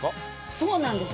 そうなんです。